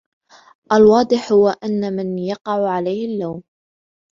الواضح ، هو من يقع عليه اللوم.